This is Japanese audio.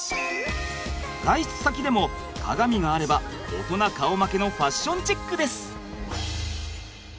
外出先でも鏡があれば大人顔負けのファッションチェックです。